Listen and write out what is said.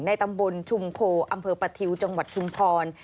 ตำบลชุมโพอำเภอปะทิวจังหวัดชุมพร